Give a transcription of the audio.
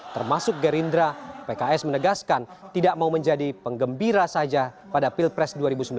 termasuk gerindra pks menegaskan tidak mau menjadi penggembira saja pada pilpres dua ribu sembilan belas